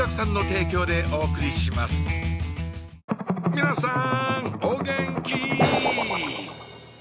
皆さんお元気？